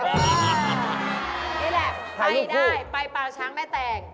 นี่แหละไปได้ไปปางช้างแม่แตง